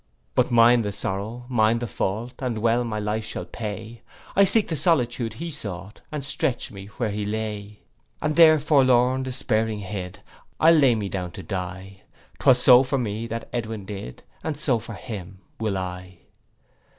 'But mine the sorrow, mine the fault, And well my life shall pay; I'll seek the solitude he sought, And stretch me where he lay. 'And there forlorn despairing hid, I'll lay me down and die: 'Twas so for me that Edwin did, And so for him will I.